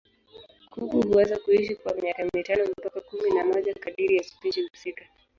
Kuku huweza kuishi kwa miaka mitano mpaka kumi na moja kadiri ya spishi husika.